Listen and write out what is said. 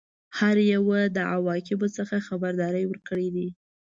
هر یوه د عواقبو څخه خبرداری ورکړی دی.